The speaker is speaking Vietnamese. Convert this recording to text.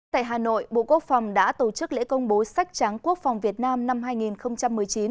tại hà nội bộ quốc phòng đã tổ chức lễ công bố sách trắng quốc phòng việt nam năm hai nghìn một mươi chín